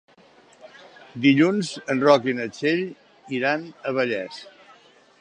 Dilluns en Roc i na Txell iran a Vallés.